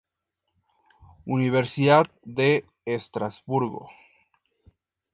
Universidad de Estrasburgo.